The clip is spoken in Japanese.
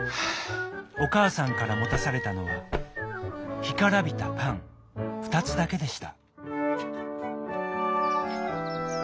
おかあさんからもたされたのはひからびたパンふたつだけでした。